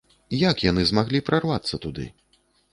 Як яны змаглі прарвацца туды?